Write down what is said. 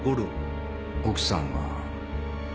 奥さんは？